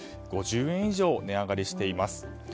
５０円以上、値上がりしています。